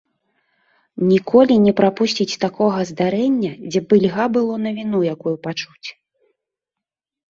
Ніколі не прапусціць такога здарэння, дзе б ільга было навіну якую пачуць.